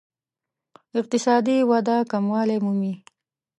اقتصادي وده کموالی مومي.